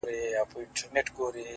د ژوندون ساه د ژوند وږمه ماته كړه ـ